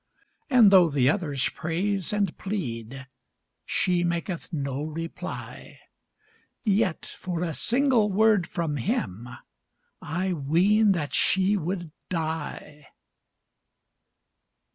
And tho' the others praise and plead, She maketh no reply, Yet for a single word from him, I ween that she would die.